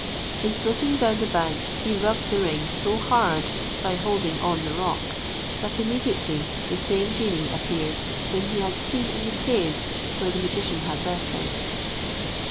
In slipping down the bank he rubbed the ring so hard by holding on the rock, that immediately the same genie appeared whom he had seen in the cave where the magician had left him.